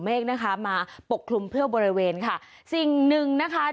เมฆนะคะมาปกคลุมเพื่อบริเวณค่ะสิ่งหนึ่งนะคะ